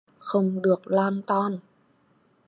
Không được lon ton